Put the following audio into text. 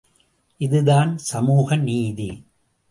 இது தான் சமூக நீதி.